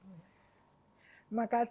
sama dan kemaslahatan